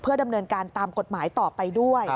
ดำเนินการตามกฎหมายต่อไปด้วย